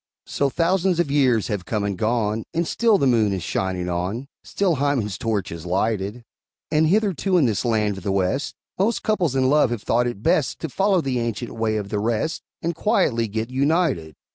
So thousands of years have come and gone, And still the moon is shining on, Still Hymen's torch is lighted; And hitherto, in this land of the West, Most couples in love have thought it best To follow the ancient way of the rest, And quietly get united.